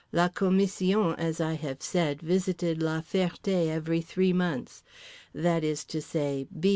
La commission, as I have said, visited La Ferté every three months. That is to say, B.